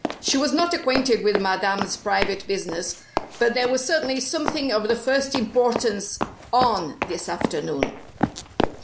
She was not acquainted with Madame's private business, but there was certainly something of the first importance "on" this afternoon.